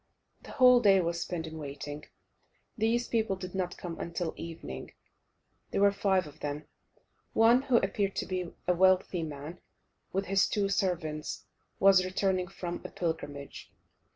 The whole day was spent in waiting; these people did not come until evening. There were five of them: one, who appeared to be a wealthy man, with his two servants, was returning from a pilgrimage.